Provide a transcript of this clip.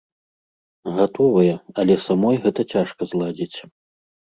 Гатовая, але самой гэта цяжка зладзіць.